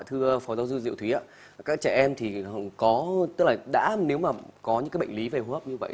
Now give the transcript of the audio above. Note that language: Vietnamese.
thưa phó giáo dư diệu thúy ạ các trẻ em thì có tức là đã nếu mà có những bệnh lý về hốp như vậy